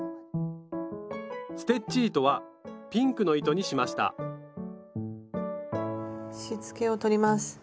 ステッチ糸はピンクの糸にしましたしつけを取ります。